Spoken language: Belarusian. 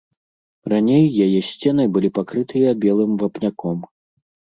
Раней яе сцены былі пакрытыя белым вапняком.